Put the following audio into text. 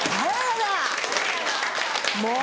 もう！